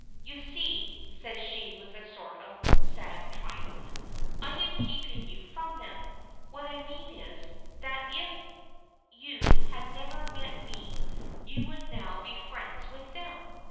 "You see," says she, with a sort of sad triumph, "I am keeping you from them. What I mean is, that if you had never met me you would now be friends with them."